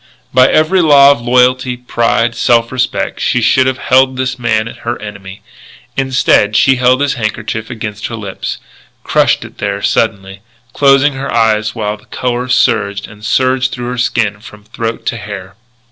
By every law of loyalty, pride, self respect, she should have held this man her enemy. Instead, she held his handkerchief against her lips, crushed it there suddenly, closing her eyes while the colour surged and surged through her skin from throat to hair.